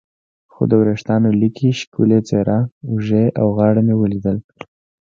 خو د وریښتانو لیکې، ښکلې څېره، اوږې او غاړه مې ولیدل.